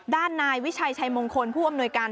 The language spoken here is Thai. ด้านนายวิชัยชัยมงคลผู้อำนวยการ